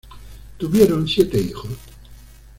Tuvieron siete hijos.